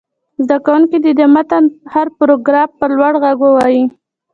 زده کوونکي دې د متن هر پراګراف په لوړ غږ ووايي.